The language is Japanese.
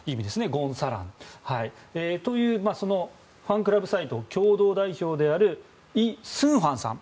ゴン・サランという、ファンクラブサイト共同代表であるイ・スンファンさん。